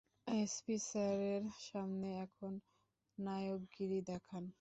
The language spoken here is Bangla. এসপি স্যারের সামনে এখন নায়কগিরি দেখান।